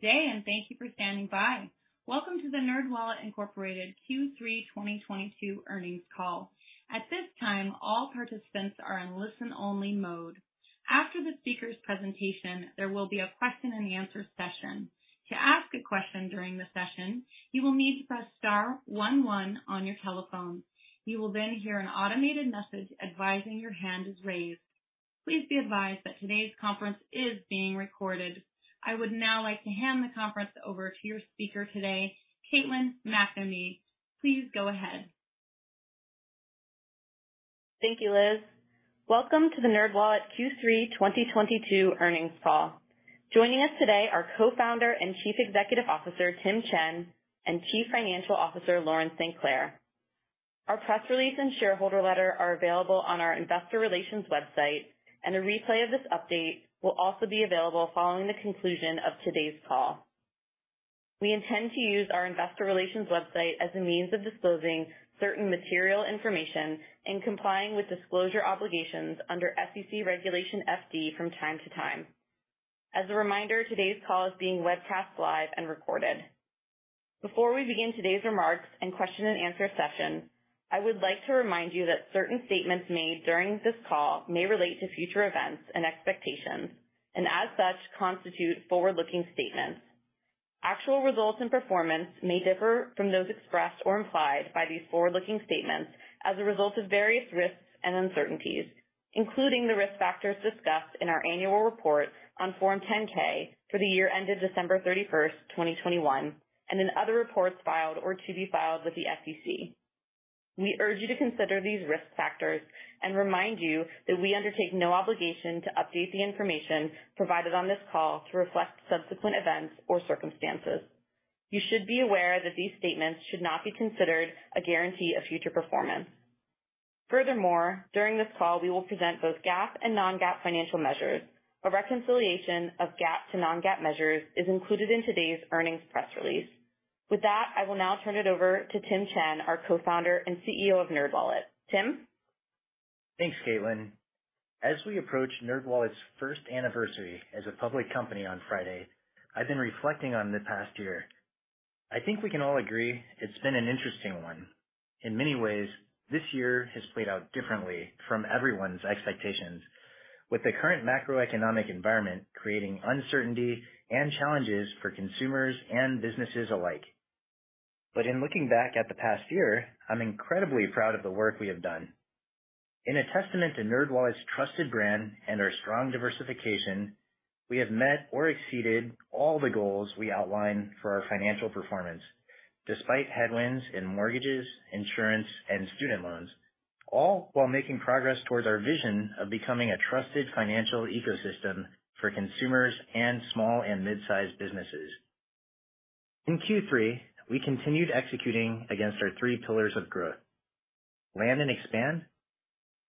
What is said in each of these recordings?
Good day and thank you for standing by. Welcome to the NerdWallet, Inc. Q3 2022 earnings call. At this time, all participants are in listen only mode. After the speaker's presentation, there will be a question and answer session. To ask a question during the session, you will need to press star one one on your telephone. You will then hear an automated message advising your hand is raised. Please be advised that today's conference is being recorded. I would now like to hand the conference over to your speaker today, Caitlin MacNamee. Please go ahead. Thank you, Liz. Welcome to the NerdWallet Q2 2023 earnings call. Joining us today are Co-founder and Chief Executive Officer Tim Chen and Chief Financial Officer Lauren StClair. Our press release and shareholder letter are available on our investor relations website, and a replay of this update will also be available following the conclusion of today's call. We intend to use our investor relations website as a means of disclosing certain material information in complying with disclosure obligations under SEC Regulation FD from time to time. As a reminder, today's call is being webcast live and recorded. Before we begin today's remarks and question and answer session, I would like to remind you that certain statements made during this call may relate to future events and expectations and, as such, constitute forward-looking statements. Actual results and performance may differ from those expressed or implied by these forward-looking statements as a result of various risks and uncertainties, including the risk factors discussed in our annual report on Form 10-K for the year ended December 31st, 2021, and in other reports filed or to be filed with the SEC. We urge you to consider these risk factors and remind you that we undertake no obligation to update the information provided on this call to reflect subsequent events or circumstances. You should be aware that these statements should not be considered a guarantee of future performance. Furthermore, during this call, we will present both GAAP and non-GAAP financial measures. A reconciliation of GAAP to non-GAAP measures is included in today's earnings press release. With that, I will now turn it over to Tim Chen, our co-founder and CEO of NerdWallet. Tim. Thanks, Caitlin. As we approach NerdWallet's first anniversary as a public company on Friday, I've been reflecting on the past year. I think we can all agree it's been an interesting one. In many ways, this year has played out differently from everyone's expectations, with the current macroeconomic environment creating uncertainty and challenges for consumers and businesses alike. In looking back at the past year, I'm incredibly proud of the work we have done. In a testament to NerdWallet's trusted brand and our strong diversification, we have met or exceeded all the goals we outlined for our financial performance, despite headwinds in mortgages, insurance, and student loans, all while making progress towards our vision of becoming a trusted financial ecosystem for consumers and small and mid-sized businesses. In Q3, we continued executing against our three pillars of growth, Land and Expand,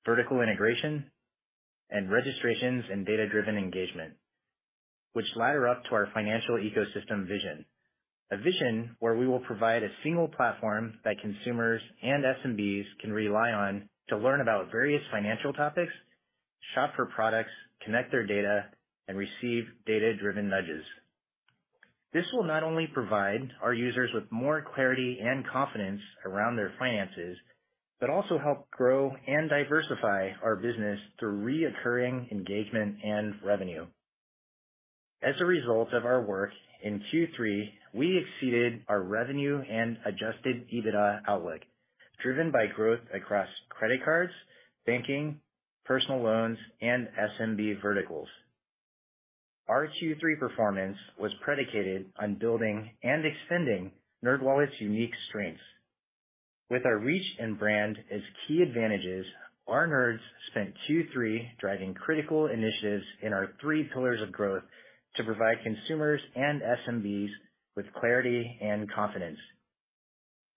Vertical Integration, and Registrations and Data-Driven Engagement, which ladder up to our financial ecosystem vision. A vision where we will provide a single platform that consumers and SMBs can rely on to learn about various financial topics, shop for products, connect their data, and receive data-driven nudges. This will not only provide our users with more clarity and confidence around their finances, but also help grow and diversify our business through recurring engagement and revenue. As a result of our work in Q3, we exceeded our revenue and Adjusted EBITDA outlook, driven by growth across credit cards, banking, personal loans, and SMB verticals. Our Q3 performance was predicated on building and extending NerdWallet's unique strengths. With our reach and brand as key advantages, our Nerds spent Q3 driving critical initiatives in our three pillars of growth to provide consumers and SMBs with clarity and confidence.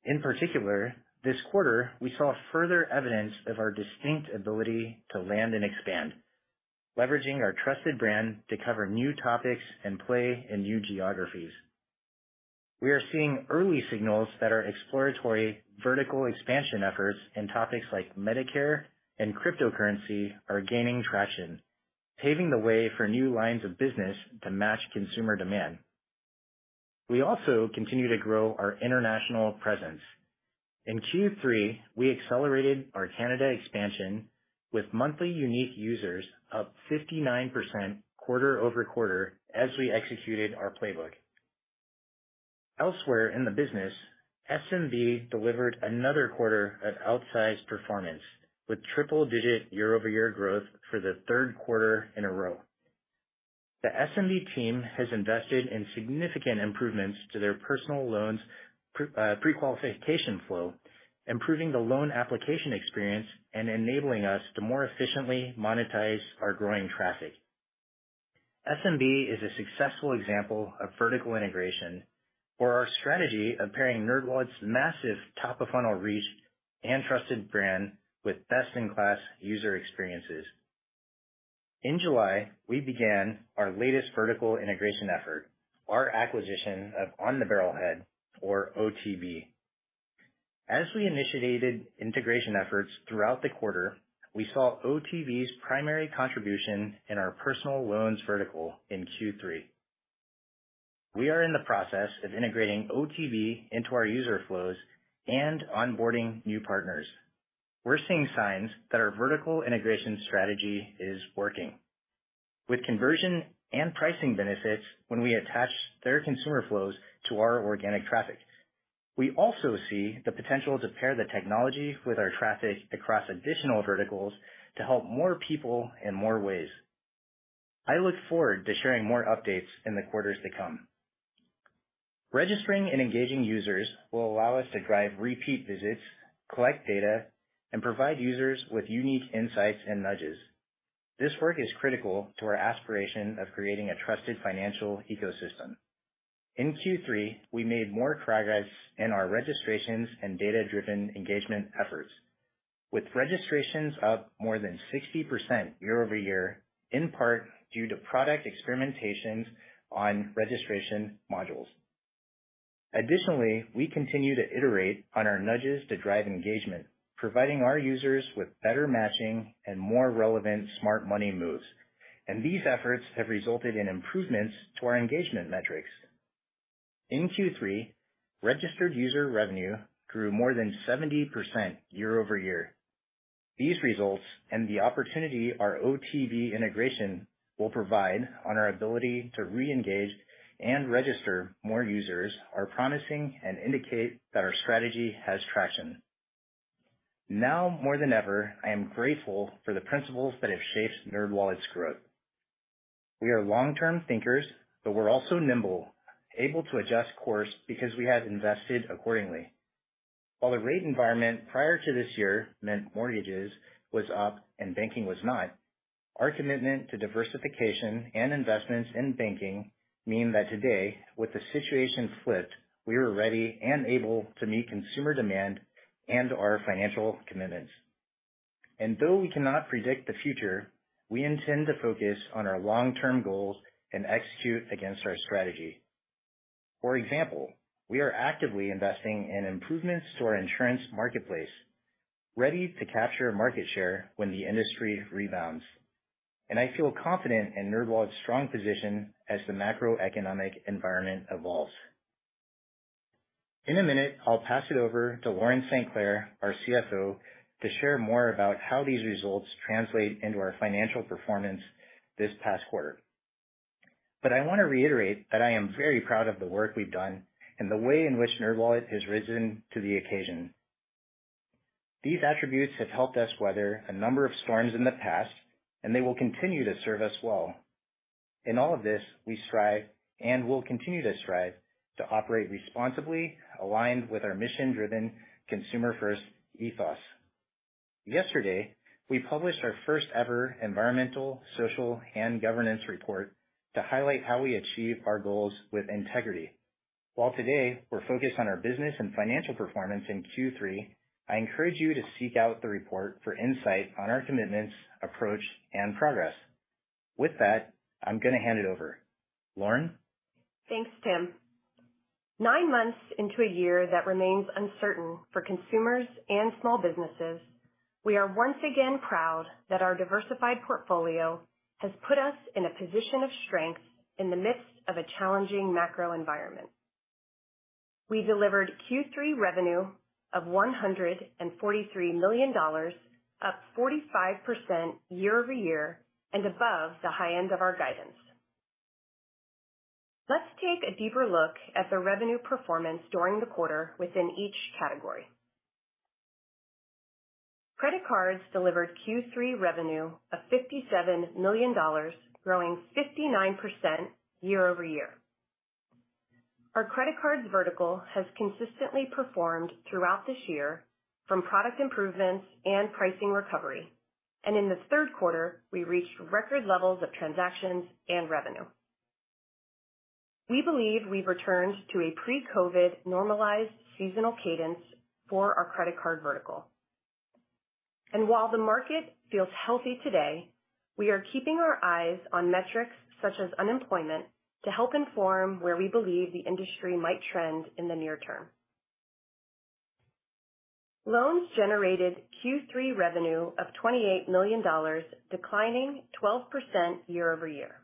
In particular, this quarter, we saw further evidence of our distinct ability to Land and Expand, leveraging our trusted brand to cover new topics and play in new geographies. We are seeing early signals that our exploratory vertical expansion efforts in topics like Medicare and cryptocurrency are gaining traction, paving the way for new lines of business to match consumer demand. We also continue to grow our international presence. In Q3, we accelerated our Canada expansion with monthly unique users up 59% quarter over quarter as we executed our playbook. Elsewhere in the business, SMB delivered another quarter of outsized performance with triple-digit year-over-year growth for the third quarter in a row. The SMB team has invested in significant improvements to their personal loans pre-qualification flow, improving the loan application experience and enabling us to more efficiently monetize our growing traffic. SMB is a successful example of vertical integration for our strategy of pairing NerdWallet's massive top of funnel reach and trusted brand with best in class user experiences. In July, we began our latest vertical integration effort, our acquisition of On The Barrelhead, or OTB. As we initiated integration efforts throughout the quarter, we saw OTB's primary contribution in our personal loans vertical in Q3. We are in the process of integrating OTB into our user flows and onboarding new partners. We're seeing signs that our Vertical Integration strategy is working. With conversion and pricing benefits when we attach their consumer flows to our organic traffic. We also see the potential to pair the technology with our traffic across additional verticals to help more people in more ways. I look forward to sharing more updates in the quarters to come. Registering and engaging users will allow us to drive repeat visits, collect data, and provide users with unique insights and nudges. This work is critical to our aspiration of creating a trusted financial ecosystem. In Q3, we made more progress in our Registrations and Data-Driven Engagement efforts, with registrations up more than 60% year-over-year, in part due to product experimentations on registration modules. Additionally, we continue to iterate on our nudges to drive engagement, providing our users with better matching and more relevant smart money moves, and these efforts have resulted in improvements to our engagement metrics. In Q3, registered user revenue grew more than 70% year-over-year. These results and the opportunity our OTB integration will provide on our ability to reengage and register more users are promising and indicate that our strategy has traction. Now more than ever, I am grateful for the principles that have shaped NerdWallet's growth. We are long-term thinkers, but we're also nimble, able to adjust course because we have invested accordingly. While the rate environment prior to this year meant mortgages was up and banking was not, our commitment to diversification and investments in banking mean that today, with the situation flipped, we are ready and able to meet consumer demand and our financial commitments. Though we cannot predict the future, we intend to focus on our long-term goals and execute against our strategy. For example, we are actively investing in improvements to our insurance marketplace, ready to capture market share when the industry rebounds, and I feel confident in NerdWallet's strong position as the macroeconomic environment evolves. In a minute, I'll pass it over to Lauren StClair, our CFO, to share more about how these results translate into our financial performance this past quarter. I want to reiterate that I am very proud of the work we've done and the way in which NerdWallet has risen to the occasion. These attributes have helped us weather a number of storms in the past, and they will continue to serve us well. In all of this, we strive, and will continue to strive, to operate responsibly, aligned with our mission-driven, consumer-first ethos. Yesterday, we published our first ever environmental, social, and governance report to highlight how we achieve our goals with integrity. While today we're focused on our business and financial performance in Q3, I encourage you to seek out the report for insight on our commitments, approach, and progress. With that, I'm going to hand it over. Lauren? Thanks, Tim. Nine months into a year that remains uncertain for consumers and small businesses, we are once again proud that our diversified portfolio has put us in a position of strength in the midst of a challenging macro environment. We delivered Q3 revenue of $143 million, up 45% year-over-year and above the high end of our guidance. Let's take a deeper look at the revenue performance during the quarter within each category. Credit cards delivered Q3 revenue of $57 million, growing 59% year-over-year. Our credit cards vertical has consistently performed throughout this year from product improvements and pricing recovery, and in the third quarter, we reached record levels of transactions and revenue. We believe we've returned to a pre-COVID normalized seasonal cadence for our credit card vertical. While the market feels healthy today, we are keeping our eyes on metrics such as unemployment to help inform where we believe the industry might trend in the near term. Loans generated Q3 revenue of $28 million, declining 12% year over year.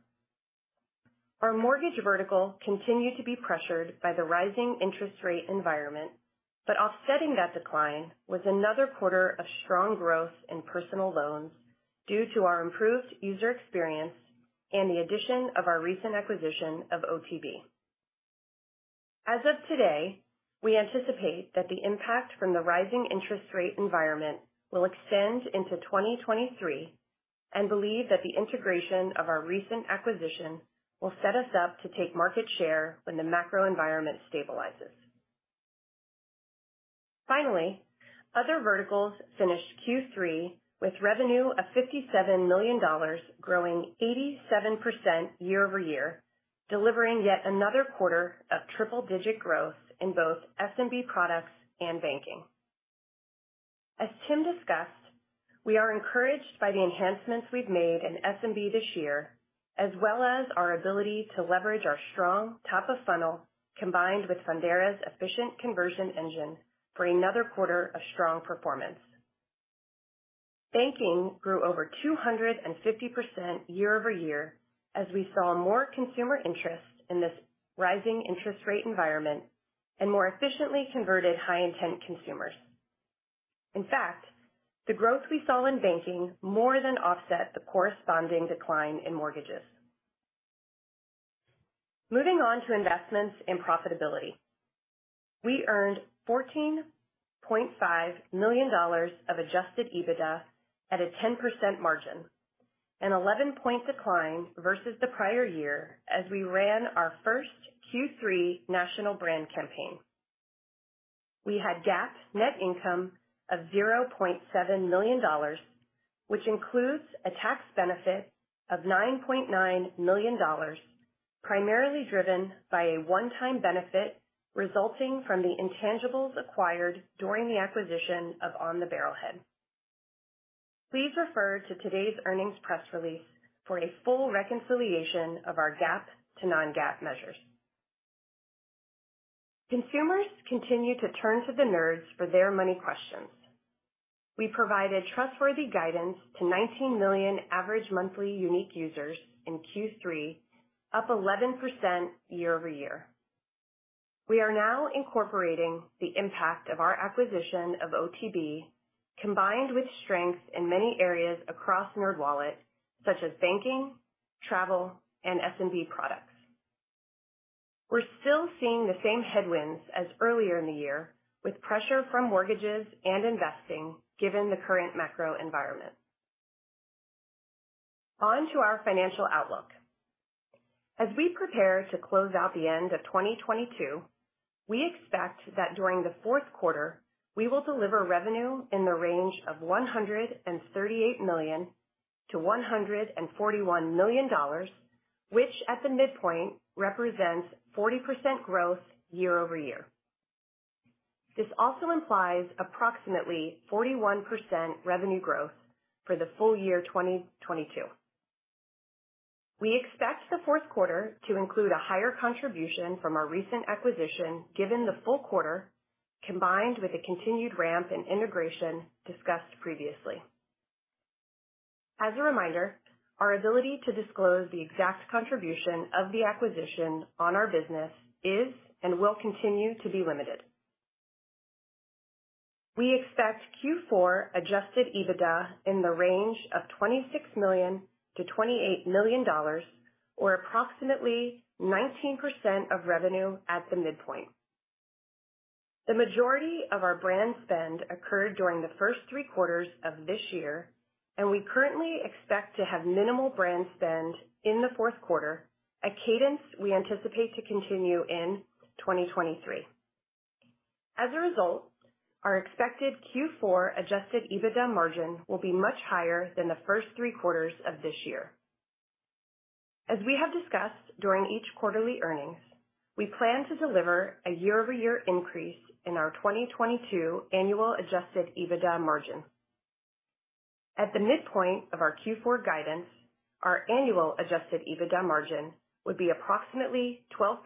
Our mortgage vertical continued to be pressured by the rising interest rate environment, but offsetting that decline was another quarter of strong growth in personal loans due to our improved user experience and the addition of our recent acquisition of OTB. As of today, we anticipate that the impact from the rising interest rate environment will extend into 2023 and believe that the integration of our recent acquisition will set us up to take market share when the macro environment stabilizes. Finally, other verticals finished Q3 with revenue of $57 million, growing 87% year-over-year, delivering yet another quarter of triple-digit growth in both SMB products and banking. As Tim discussed, we are encouraged by the enhancements we've made in SMB this year, as well as our ability to leverage our strong top of funnel combined with Fundera's efficient conversion engine for another quarter of strong performance. Banking grew over 250% year-over-year as we saw more consumer interest in this rising interest rate environment and more efficiently converted high intent consumers. In fact, the growth we saw in banking more than offset the corresponding decline in mortgages. Moving on to investments and profitability. We earned $14.5 million of Adjusted EBITDA at a 10% margin, an 11-point decline versus the prior year as we ran our first Q3 national brand campaign. We had GAAP net income of $0.7 million, which includes a tax benefit of $9.9 million, primarily driven by a one-time benefit resulting from the intangibles acquired during the acquisition of On The Barrelhead. Please refer to today's earnings press release for a full reconciliation of our GAAP to non-GAAP measures. Consumers continue to turn to the Nerds for their money questions. We provided trustworthy guidance to 19 million average monthly unique users in Q3, up 11% year-over-year. We are now incorporating the impact of our acquisition of OTB, combined with strength in many areas across NerdWallet, such as banking, travel, and SMB products. We're still seeing the same headwinds as earlier in the year with pressure from mortgages and investing given the current macro environment. On to our financial outlook. As we prepare to close out the end of 2022, we expect that during the fourth quarter, we will deliver revenue in the range of $138 million-$141 million, which at the midpoint represents 40% growth year-over-year. This also implies approximately 41% revenue growth for the full year 2022. We expect the fourth quarter to include a higher contribution from our recent acquisition given the full quarter, combined with a continued ramp in integration discussed previously. As a reminder, our ability to disclose the exact contribution of the acquisition on our business is and will continue to be limited. We expect Q4 Adjusted EBITDA in the range of $26 million-$28 million or approximately 19% of revenue at the midpoint. The majority of our brand spend occurred during the first three quarters of this year, and we currently expect to have minimal brand spend in the fourth quarter, a cadence we anticipate to continue in 2023. As a result, our expected Q4 Adjusted EBITDA margin will be much higher than the first three quarters of this year. As we have discussed during each quarterly earnings, we plan to deliver a year-over-year increase in our 2022 annual Adjusted EBITDA margin. At the midpoint of our Q4 guidance, our annual Adjusted EBITDA margin would be approximately 12%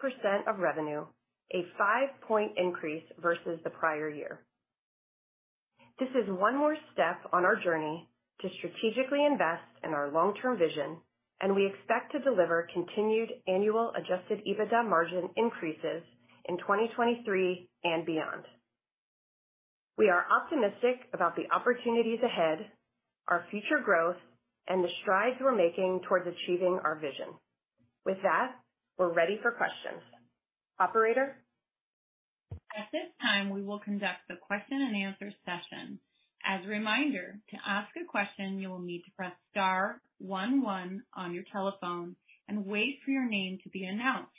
of revenue, a five-point increase versus the prior year. This is one more step on our journey to strategically invest in our long-term vision, and we expect to deliver continued annual Adjusted EBITDA margin increases in 2023 and beyond. We are optimistic about the opportunities ahead, our future growth, and the strides we're making towards achieving our vision. With that, we're ready for questions. Operator. At this time, we will conduct the question and answer session. As a reminder, to ask a question, you will need to press star one one on your telephone and wait for your name to be announced.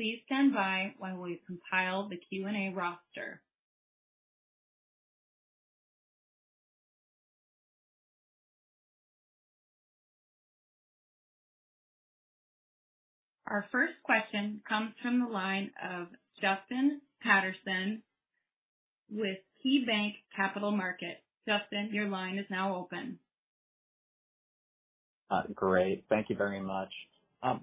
Please stand by while we compile the Q&A roster. Our first question comes from the line of Justin Patterson with KeyBanc Capital Markets. Justin, your line is now open. Great. Thank you very much.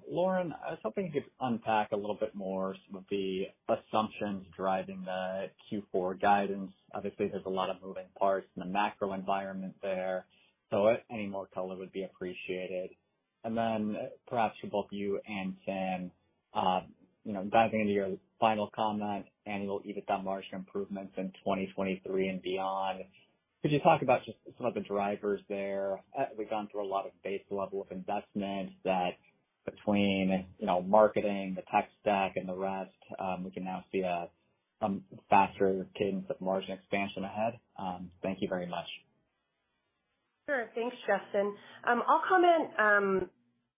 Lauren, I was hoping you could unpack a little bit more some of the assumptions driving the Q4 guidance. Obviously, there's a lot of moving parts in the macro environment there, so any more color would be appreciated. Perhaps to both you and Sam, you know, diving into your final comment, annual EBITDA margin improvements in 2023 and beyond, could you talk about just some of the drivers there? We've gone through a lot of base level of investments that between, you know, marketing, the tech stack and the rest, we can now see a faster cadence of margin expansion ahead. Thank you very much. Sure. Thanks, Justin. I'll comment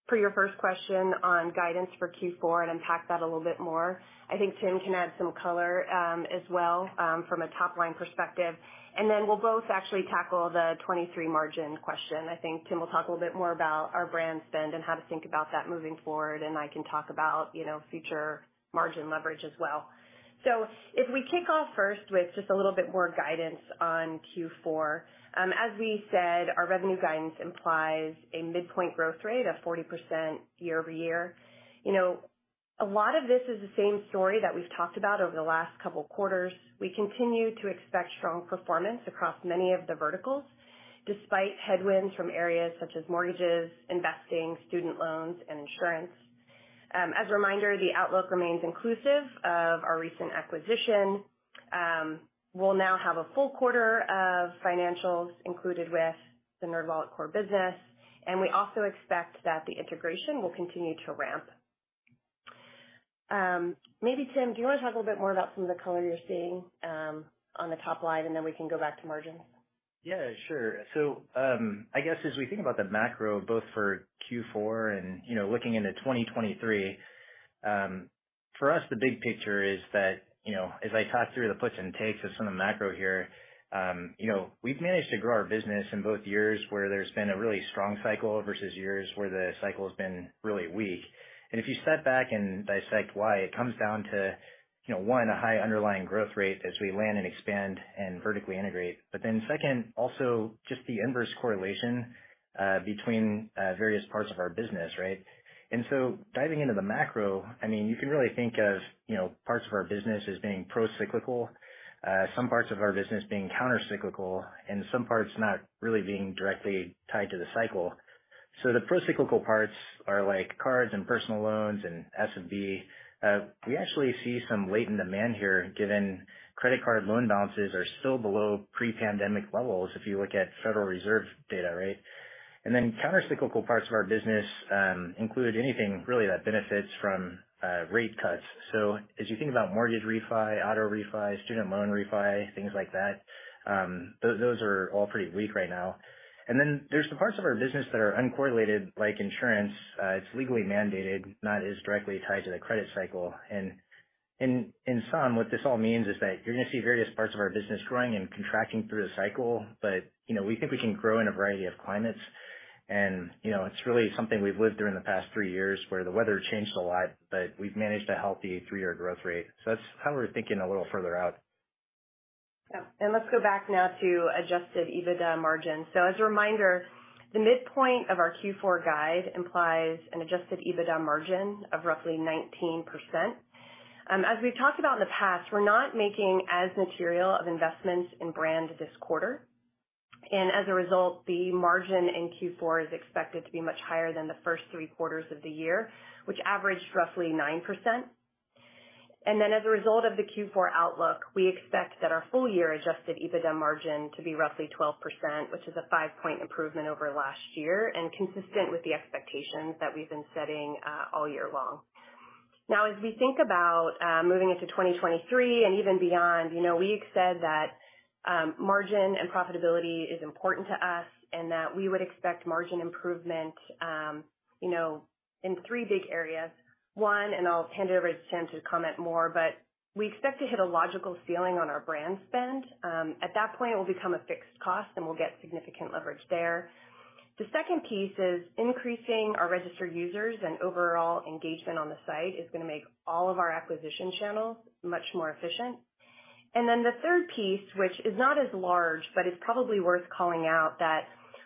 for your first question on guidance for Q4 and unpack that a little bit more. I think Tim can add some color as well from a top-line perspective, and then we'll both actually tackle the 2023 margin question. I think Tim will talk a little bit more about our brand spend and how to think about that moving forward, and I can talk about, you know, future margin leverage as well. If we kick off first with just a little bit more guidance on Q4, as we said, our revenue guidance implies a midpoint growth rate of 40% year-over-year. You know, a lot of this is the same story that we've talked about over the last couple quarters. We continue to expect strong performance across many of the verticals, despite headwinds from areas such as mortgages, investing, student loans, and insurance. As a reminder, the outlook remains inclusive of our recent acquisition. We'll now have a full quarter of financials included with the NerdWallet core business, and we also expect that the integration will continue to ramp. Maybe Tim, do you wanna talk a little bit more about some of the color you're seeing on the top line, and then we can go back to margins? Yeah, sure. I guess as we think about the macro, both for Q4 and, you know, looking into 2023, for us, the big picture is that, you know, as I talk through the puts and takes of some of the macro here, you know, we've managed to grow our business in both years where there's been a really strong cycle versus years where the cycle has been really weak. If you step back and dissect why, it comes down to, you know, one, a high underlying growth rate as we Land and Expand and Vertically Integrate, but then second, also just the inverse correlation between various parts of our business, right? Diving into the macro, I mean, you can really think of, you know, parts of our business as being pro-cyclical, some parts of our business being countercyclical and some parts not really being directly tied to the cycle. The pro-cyclical parts are like cards and personal loans and SMB. We actually see some latent demand here, given credit card loan balances are still below pre-pandemic levels, if you look at Federal Reserve data, right? Then countercyclical parts of our business include anything really that benefits from rate cuts. As you think about mortgage refi, auto refi, student loan refi, things like that, those are all pretty weak right now. Then there's the parts of our business that are uncorrelated, like insurance. It's legally mandated, not as directly tied to the credit cycle. In sum, what this all means is that you're gonna see various parts of our business growing and contracting through the cycle, but, you know, we think we can grow in a variety of climates. You know, it's really something we've lived during the past three years where the weather changed a lot, but we've managed a healthy three-year growth rate. That's how we're thinking a little further out. Yeah. Let's go back now to Adjusted EBITDA margin. As a reminder, the midpoint of our Q4 guide implies an Adjusted EBITDA margin of roughly 19%. As we've talked about in the past, we're not making as material of investments in brand this quarter. As a result, the margin in Q4 is expected to be much higher than the first three quarters of the year, which averaged roughly 9%. As a result of the Q4 outlook, we expect that our full year Adjusted EBITDA margin to be roughly 12%, which is a five-point improvement over last year and consistent with the expectations that we've been setting, all year long. Now, as we think about moving into 2023 and even beyond, you know, we have said that margin and profitability is important to us and that we would expect margin improvement, you know, in three big areas. One, and I'll hand it over to Tim to comment more, but we expect to hit a logical ceiling on our brand spend. At that point, it will become a fixed cost, and we'll get significant leverage there. The second piece is increasing our registered users and overall engagement on the site is gonna make all of our acquisition channels much more efficient. The third piece, which is not as large, but it's probably worth calling out, that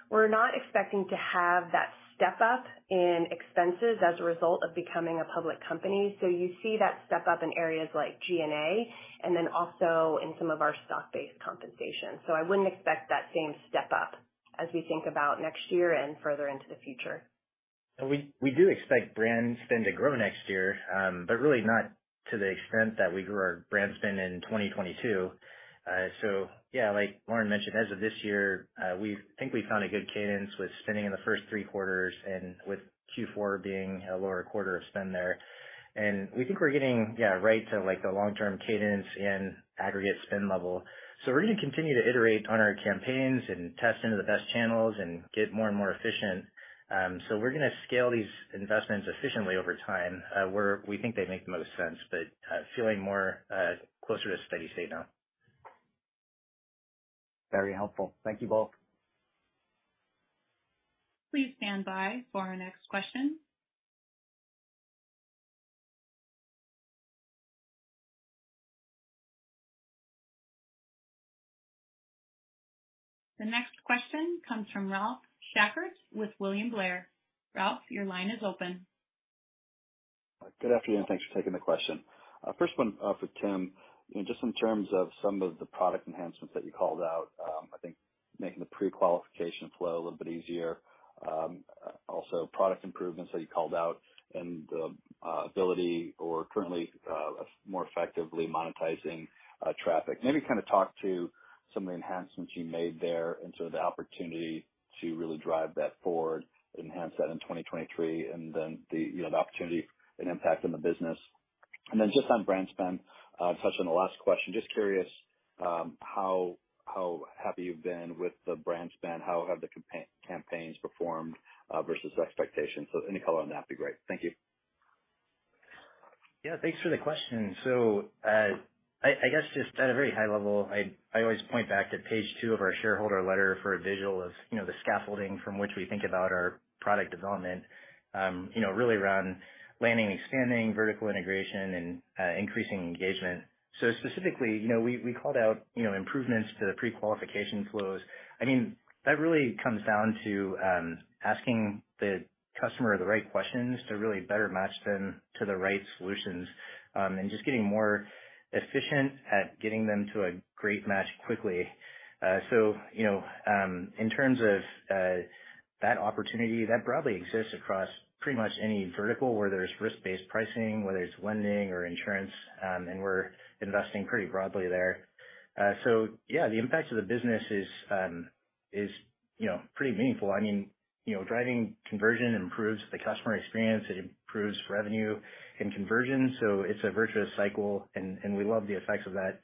we're not expecting to have that step up in expenses as a result of becoming a public company. You see that step up in areas like G&A and then also in some of our stock-based compensation. I wouldn't expect that same step up as we think about next year and further into the future. We do expect brand spend to grow next year, but really not to the extent that we grew our brand spend in 2022. Yeah, like Lauren mentioned, as of this year, we think we found a good cadence with spending in the first three quarters and with Q4 being a lower quarter of spend there. We think we're getting, yeah, right to, like, the long-term cadence and aggregate spend level. We're gonna continue to iterate on our campaigns and test into the best channels and get more and more efficient. We're gonna scale these investments efficiently over time, where we think they make the most sense, but feeling more closer to steady state now. Very helpful. Thank you both. Please stand by for our next question. The next question comes from Ralph Schackart with William Blair. Ralph, your line is open. Good afternoon. Thanks for taking the question. First one, for Tim. You know, just in terms of some of the product enhancements that you called out, I think making the pre-qualification flow a little bit easier. Also product improvements that you called out and the ability or currently more effectively monetizing traffic. Maybe kind of talk to some of the enhancements you made there and sort of the opportunity to really drive that forward, enhance that in 2023, and then the, you know, the opportunity and impact on the business. Then just on brand spend, touching on the last question, just curious, how have you been with the brand spend? How have the campaigns performed versus expectations? So any color on that would be great. Thank you. Yeah, thanks for the question. I guess just at a very high level, I always point back to page two of our shareholder letter for a visual of, you know, the scaffolding from which we think about our product development, you know, really around lending, expanding vertical integration and, increasing engagement. Specifically, you know, we called out, you know, improvements to the pre-qualification flows. I mean, that really comes down to, asking the customer the right questions to really better match them to the right solutions, and just getting more efficient at getting them to a great match quickly. You know, in terms of, that opportunity, that broadly exists across pretty much any vertical where there's risk-based pricing, whether it's lending or insurance, and we're investing pretty broadly there. The impact to the business is, you know, pretty meaningful. I mean, you know, driving conversion improves the customer experience, it improves revenue and conversion. It's a virtuous cycle, and we love the effects of that.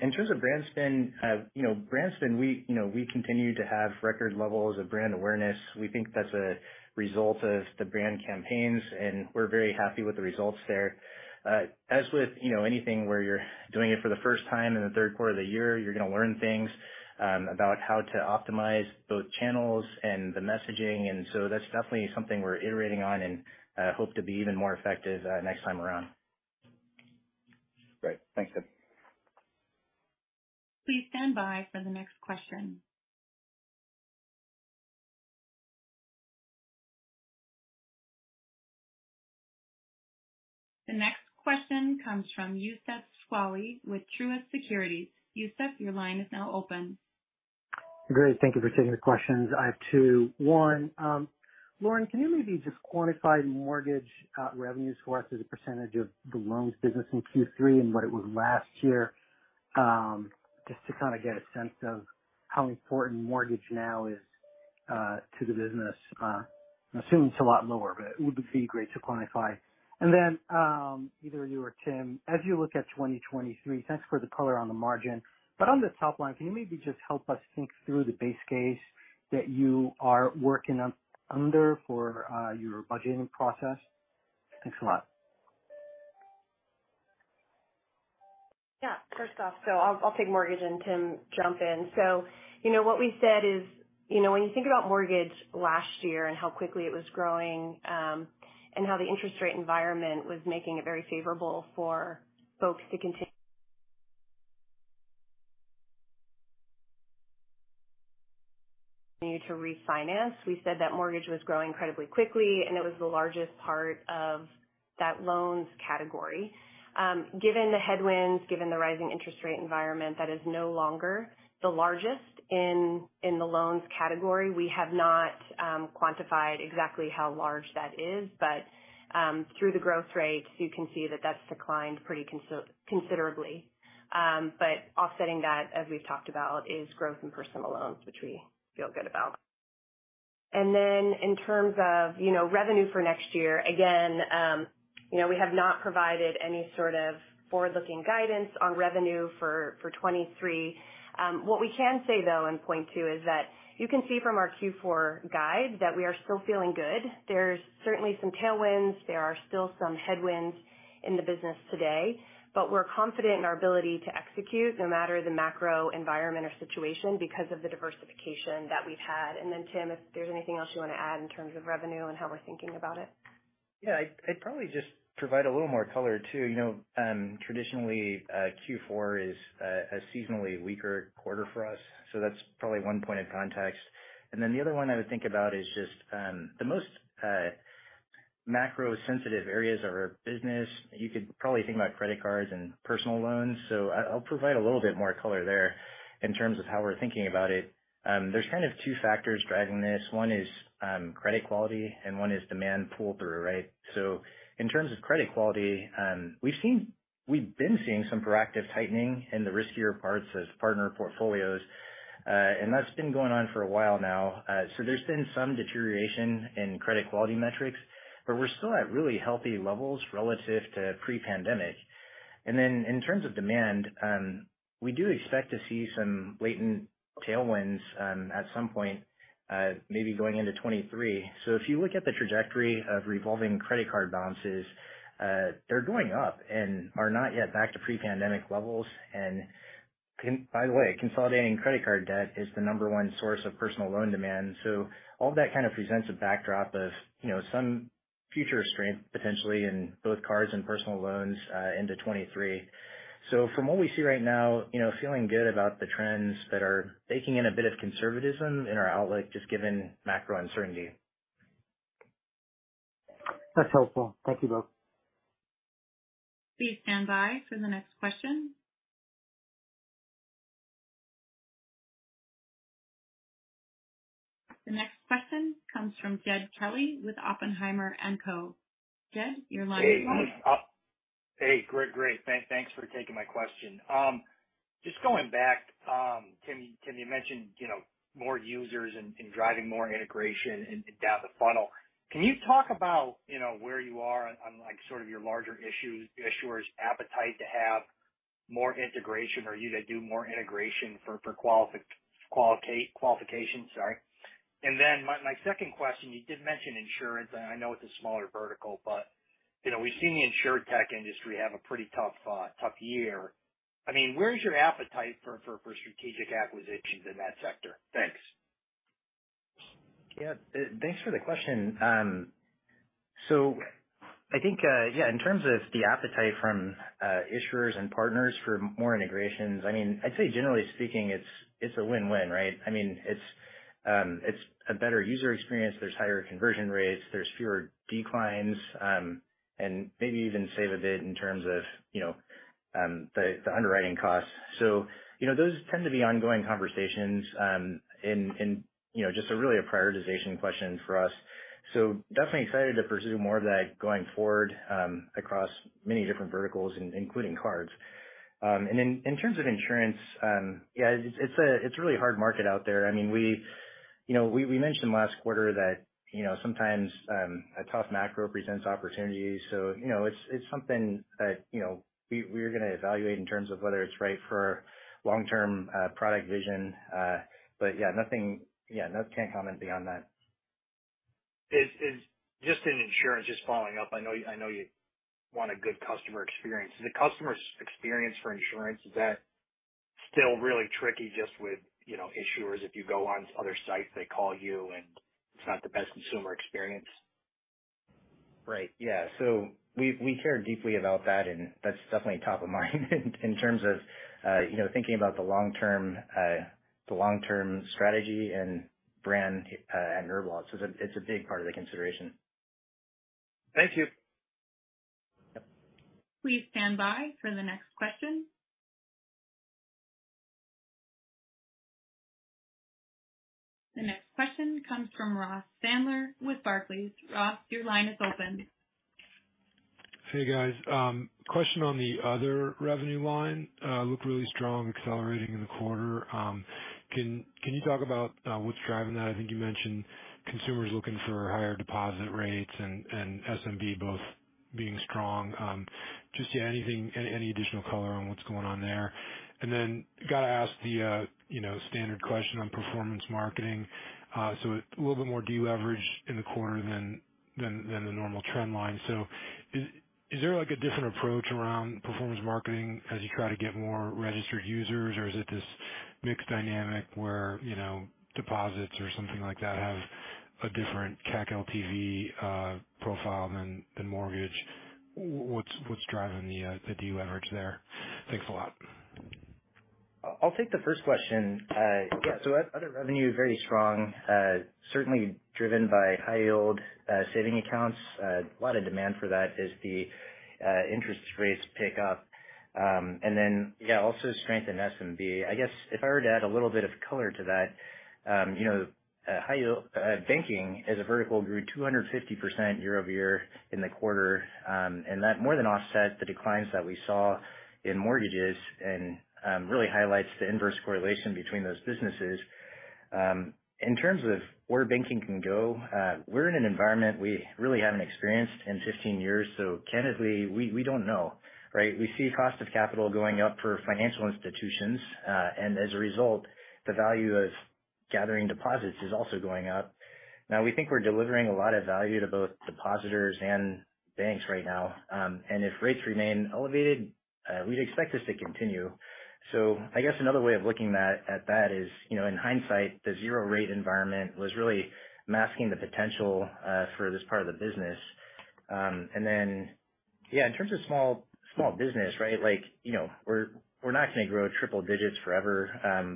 In terms of brand spend, you know, we continue to have record levels of brand awareness. We think that's a result of the brand campaigns, and we're very happy with the results there. As with, you know, anything where you're doing it for the first time in the third quarter of the year, you're going to learn things about how to optimize both channels and the messaging, and that's definitely something we're iterating on and hope to be even more effective next time around. Great. Thanks, Tim. Please stand by for the next question. The next question comes from Youssef Squali with Truist Securities. Youssef, your line is now open. Great. Thank you for taking the questions. I have two. One, Lauren, can you maybe just quantify mortgage revenues for us as a percentage of the loans business in Q3 and what it was last year? Just to kind of get a sense of how important mortgage now is to the business. I assume it's a lot lower, but it would be great to quantify. Then, either of you or Tim, as you look at 2023, thanks for the color on the margin, but on the top line, can you maybe just help us think through the base case that you are working under for your budgeting process? Thanks a lot. Yeah. First off, I'll take Mortgage and Tim jump in. You know, what we said is, you know, when you think about Mortgage last year and how quickly it was growing, and how the interest rate environment was making it very favorable for folks to continue to refinance, we said that Mortgage was growing incredibly quickly, and it was the largest part of that loans category. Given the headwinds, given the rising interest rate environment, that is no longer the largest in the loans category. We have not quantified exactly how large that is, but through the growth rates you can see that that's declined pretty considerably. But offsetting that, as we've talked about, is growth in Personal Loans, which we feel good about. In terms of, you know, revenue for next year, again, you know, we have not provided any sort of forward-looking guidance on revenue for 2023. What we can say though and point to is that you can see from our Q4 guide that we are still feeling good. There's certainly some tailwinds. There are still some headwinds in the business today. We're confident in our ability to execute no matter the macro environment or situation because of the diversification that we've had. Tim, if there's anything else you want to add in terms of revenue and how we're thinking about it. Yeah. I'd probably just provide a little more color too. You know, traditionally, Q4 is a seasonally weaker quarter for us. That's probably one point of context. Then the other one I would think about is just the most macro sensitive areas of our business. You could probably think about credit cards and personal loans. I'll provide a little bit more color there in terms of how we're thinking about it. There's kind of two factors driving this. One is credit quality and one is demand pull through, right? In terms of credit quality, we've been seeing some proactive tightening in the riskier parts of partner portfolios. That's been going on for a while now. There's been some deterioration in credit quality metrics, but we're still at really healthy levels relative to pre-pandemic. In terms of demand, we do expect to see some latent tailwinds at some point, maybe going into 2023. If you look at the trajectory of revolving credit card balances, they're going up and are not yet back to pre-pandemic levels. By the way, consolidating credit card debt is the number one source of personal loan demand. All that kind of presents a backdrop of, you know, some future strength potentially in both cards and personal loans into 2023. From what we see right now, you know, feeling good about the trends that are baking in a bit of conservatism in our outlook just given macro uncertainty. That's helpful. Thank you both. Please stand by for the next question. The next question comes from Jed Kelly with Oppenheimer & Co. Jed, your line is open. Hey. Great. Thanks for taking my question. Just going back, Tim, you mentioned, you know, more users and driving more integration and down the funnel. Can you talk about, you know, where you are on like sort of your larger issuers appetite to have? More integration or you guys do more integration for qualification. Sorry. My second question, you did mention insurance, and I know it's a smaller vertical, but you know, we've seen the insurtech industry have a pretty tough year. I mean, where's your appetite for strategic acquisitions in that sector? Thanks. Yeah, thanks for the question. So I think, yeah, in terms of the appetite from issuers and partners for more integrations, I mean, I'd say generally speaking, it's a win-win, right? I mean, it's a better user experience. There's higher conversion rates. There's fewer declines, and maybe even save a bit in terms of, you know, the underwriting costs. So, you know, those tend to be ongoing conversations, and, you know, just really a prioritization question for us. So definitely excited to pursue more of that going forward, across many different verticals, including cards. And in terms of insurance, yeah, it's a really hard market out there. I mean, we, you know, we mentioned last quarter that, you know, sometimes a tough macro presents opportunities. you know, it's something that, you know, we're gonna evaluate in terms of whether it's right for long-term product vision. Yeah, no, can't comment beyond that. Is it just in insurance, just following up? I know you want a good customer experience. The customer experience for insurance, is that still really tricky just with, you know, issuers, if you go on other sites, they call you, and it's not the best consumer experience? Right. Yeah. We care deeply about that, and that's definitely top of mind in terms of, you know, thinking about the long-term strategy and brand and NerdWallet. It's a big part of the consideration. Thank you. Yep. Please stand by for the next question. The next question comes from Ross Sandler with Barclays. Ross, your line is open. Hey, guys. Question on the other revenue line looked really strong accelerating in the quarter. Can you talk about what's driving that? I think you mentioned consumers looking for higher deposit rates and SMB both being strong. Just yeah, anything, any additional color on what's going on there. Then gotta ask the, you know, standard question on performance marketing. A little bit more deleverage in the quarter than the normal trend line. Is there like a different approach around performance marketing as you try to get more registered users? Or is it this mixed dynamic where, you know, deposits or something like that have a different CAC LTV profile than mortgage? What's driving the deleverage there? Thanks a lot. I'll take the first question. Other revenue, very strong, certainly driven by high-yield savings accounts. A lot of demand for that as the interest rates pick up. And then also strength in SMB. I guess if I were to add a little bit of color to that, you know, high-yield banking as a vertical grew 250% year-over-year in the quarter. And that more than offset the declines that we saw in mortgages and really highlights the inverse correlation between those businesses. In terms of where banking can go, we're in an environment we really haven't experienced in 15 years, so candidly, we don't know, right? We see cost of capital going up for financial institutions, and as a result, the value of gathering deposits is also going up. Now, we think we're delivering a lot of value to both depositors and banks right now, and if rates remain elevated, we'd expect this to continue. I guess another way of looking at that is, you know, in hindsight, the zero rate environment was really masking the potential for this part of the business. Yeah, in terms of small business, right, like, you know, we're not gonna grow triple digits forever,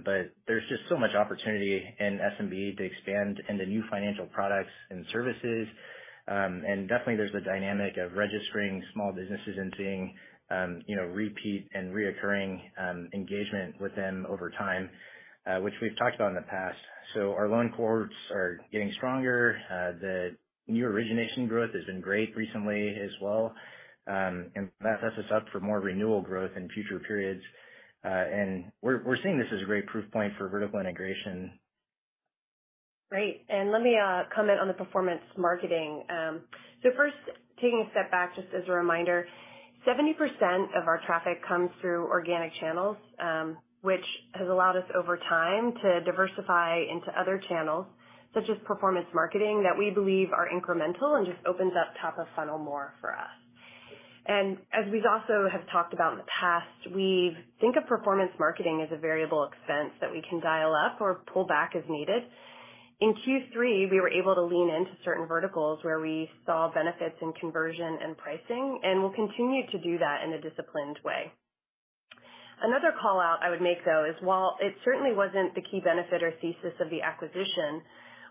but there's just so much opportunity in SMB to expand into new financial products and services. Definitely there's the dynamic of registering small businesses and seeing repeat and recurring engagement with them over time, which we've talked about in the past. Our loan cohorts are getting stronger. The new origination growth has been great recently as well. That sets us up for more renewal growth in future periods. We're seeing this as a great proof point for Vertical Integration. Great. Let me comment on the performance marketing. First taking a step back just as a reminder, 70% of our traffic comes through organic channels, which has allowed us over time to diversify into other channels such as performance marketing that we believe are incremental and just opens up top of funnel more for us. As we've also have talked about in the past, we think of performance marketing as a variable expense that we can dial up or pull back as needed. In Q3, we were able to lean into certain verticals where we saw benefits in conversion and pricing, and we'll continue to do that in a disciplined way. Another call-out I would make though is while it certainly wasn't the key benefit or thesis of the acquisition,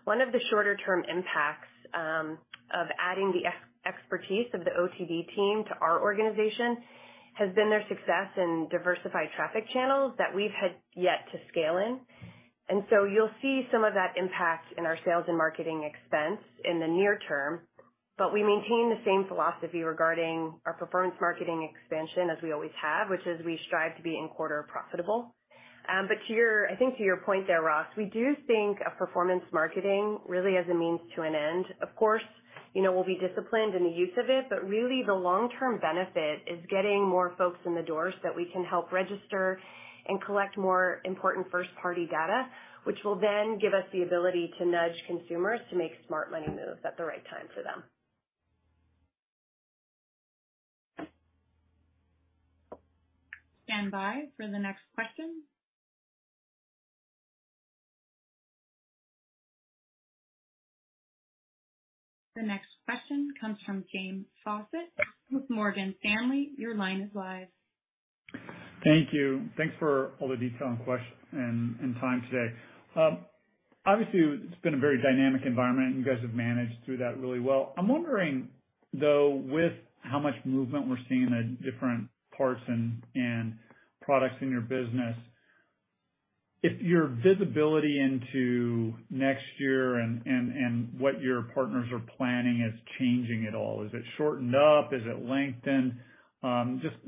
one of the shorter term impacts of adding the expertise of the OTB team to our organization has been their success in diversified traffic channels that we've had yet to scale in. You'll see some of that impact in our sales and marketing expense in the near term. We maintain the same philosophy regarding our performance marketing expansion as we always have, which is we strive to be in-quarter profitable. To your point there, Ross, we do think of performance marketing really as a means to an end. Of course, you know we'll be disciplined in the use of it, but really the long-term benefit is getting more folks in the doors that we can help register and collect more important first-party data, which will then give us the ability to nudge consumers to make smart money moves at the right time for them. Stand by for the next question. The next question comes from James Faucette with Morgan Stanley. Your line is live. Thank you. Thanks for all the detail and time today. Obviously it's been a very dynamic environment, and you guys have managed through that really well. I'm wondering, though, with how much movement we're seeing in the different parts and products in your business, if your visibility into next year and what your partners are planning is changing at all? Is it shortened up? Is it lengthened?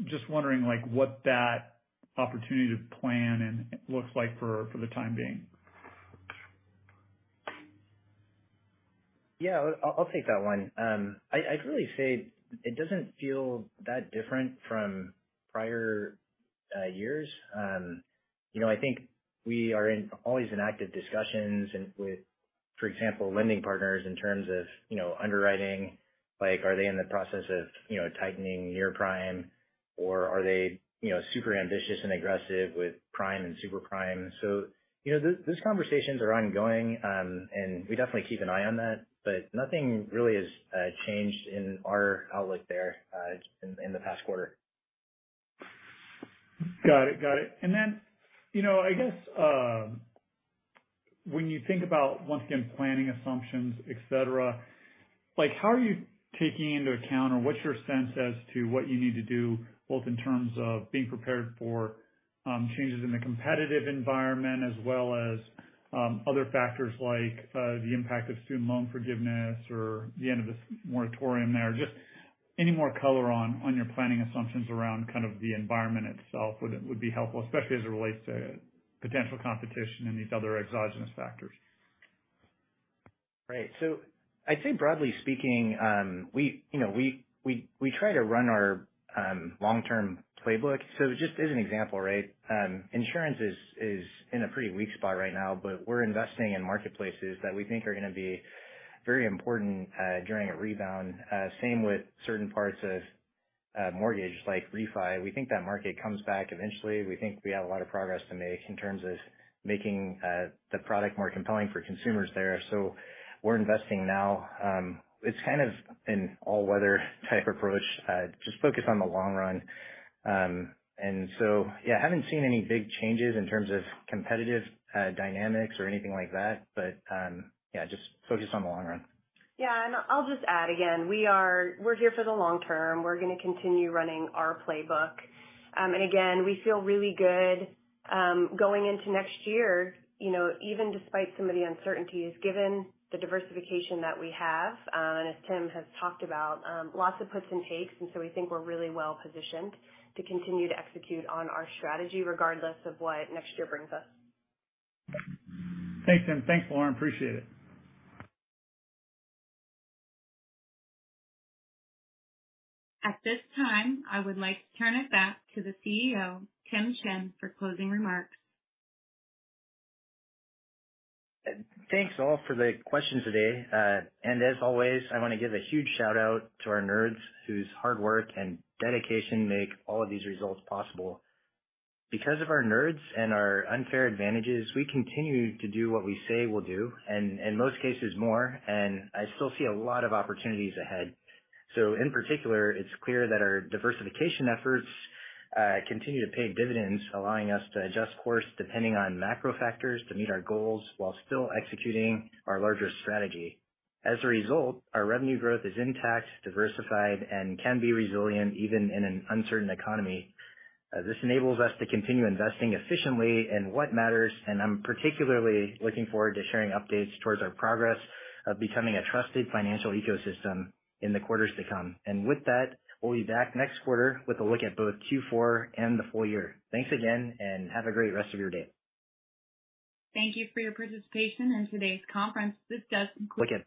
Just wondering, like, what that opportunity to plan and looks like for the time being? Yeah, I'll take that one. I'd really say it doesn't feel that different from prior years. You know, I think we are always in active discussions with, for example, lending partners in terms of underwriting, like are they in the process of tightening near prime or are they super ambitious and aggressive with prime and super prime? You know, these conversations are ongoing, and we definitely keep an eye on that. Nothing really has changed in our outlook there, in the past quarter. Got it. You know, I guess, when you think about once again, planning assumptions, etc., like how are you taking into account or what's your sense as to what you need to do both in terms of being prepared for, changes in the competitive environment as well as, other factors like, the impact of student loan forgiveness or the end of this moratorium there? Any more color on your planning assumptions around kind of the environment itself would be helpful, especially as it relates to potential competition and these other exogenous factors. Right. I'd say broadly speaking, we, you know, we try to run our long-term playbook. Just as an example, right? Insurance is in a pretty weak spot right now, but we're investing in marketplaces that we think are gonna be very important during a rebound. Same with certain parts of mortgage like refi. We think that market comes back eventually. We think we have a lot of progress to make in terms of making the product more compelling for consumers there. We're investing now. It's kind of an all-weather type approach. Just focus on the long run. Yeah, haven't seen any big changes in terms of competitive dynamics or anything like that. Yeah, just focused on the long run. Yeah. I'll just add again, we're here for the long term. We're gonna continue running our playbook. We feel really good going into next year, you know, even despite some of the uncertainties, given the diversification that we have. As Tim has talked about, lots of puts and takes, and so we think we're really well-positioned to continue to execute on our strategy regardless of what next year brings us. Thanks, Tim. Thanks, Lauren. Appreciate it. At this time, I would like to turn it back to the CEO, Tim Chen, for closing remarks. Thanks, all for the questions today. As always, I wanna give a huge shout-out to our nerds whose hard work and dedication make all of these results possible. Because of our Nerds and our unfair advantages, we continue to do what we say we'll do, and in most cases more, and I still see a lot of opportunities ahead. In particular, it's clear that our diversification efforts continue to pay dividends, allowing us to adjust course depending on macro factors to meet our goals while still executing our larger strategy. As a result, our revenue growth is intact, diversified, and can be resilient even in an uncertain economy. This enables us to continue investing efficiently in what matters, and I'm particularly looking forward to sharing updates towards our progress of becoming a trusted financial ecosystem in the quarters to come. With that, we'll be back next quarter with a look at both Q4 and the full year. Thanks again, and have a great rest of your day. Thank you for your participation in today's conference. This does conclude.